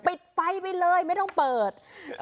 ปิดไฟไปเลยไม่ต้องเปิด